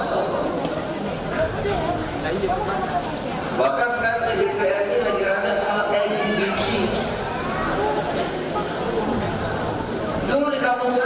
suatu hari itu sekarang lu mau asal